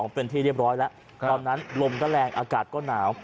เป็นที่เรียบร้อยแล้วตอนนั้นลมก็แรงอากาศก็หนาว